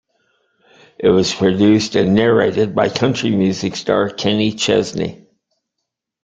It was produced and narrated by country music star Kenny Chesney.